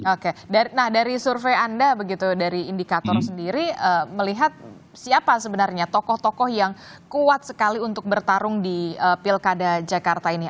oke nah dari survei anda begitu dari indikator sendiri melihat siapa sebenarnya tokoh tokoh yang kuat sekali untuk bertarung di pilkada jakarta ini